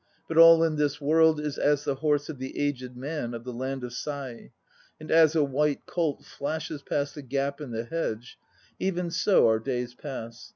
But all in this world Is as the horse of the aged man of the land of Sai ; l And as a white colt flashes Past a gap in the hedge, even so our days pass.